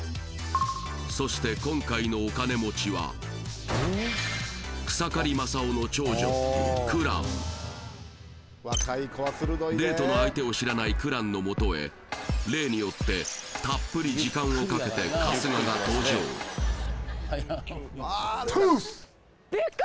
そして今回のお金持ちはデートの相手を知らない紅蘭のもとへ例によってたっぷり時間をかけて春日が登場トゥース！